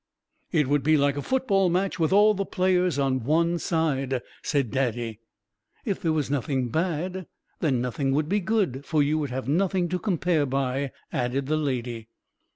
"It would be like a football match with all the players on one side," said Daddy. "If there was nothing bad, then, nothing would be good, for you would have nothing to compare by," added the Lady.